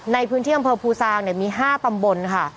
ในพื้นที่อำเภอภูซางมี๕ตำบลค่ะ